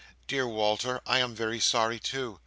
Dear Walter, I am very sorry too."